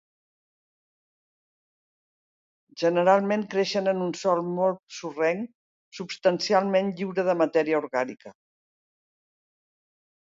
Generalment creixen en un sòl molt sorrenc, substancialment lliure de matèria orgànica.